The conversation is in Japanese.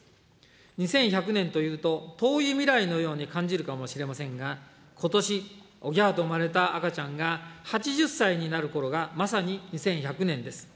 ２１００年というと、遠い未来のように感じるかもしれませんが、ことし、オギャーと産まれた赤ちゃんが８０歳になるころが、まさに２１００年です。